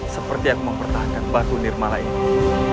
seperti yang mempertahankan batu nirmala ini